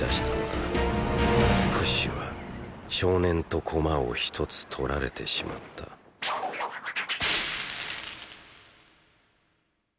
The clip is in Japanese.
フシは“少年”と“駒”を一つ取られてしまったーー